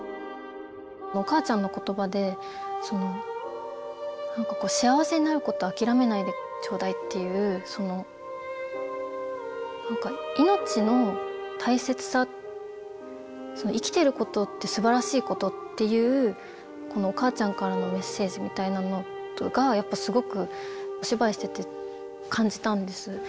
お母ちゃんの言葉で「幸せになることを諦めないでちょうだい」っていう何か命の大切さ生きてることってすばらしいことっていうお母ちゃんからのメッセージみたいなのがやっぱすごくお芝居してて感じたんです。